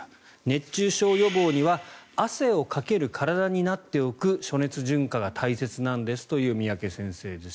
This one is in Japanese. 熱中症予防には汗をかける体になっておく暑熱順化が大切なんですという三宅先生です。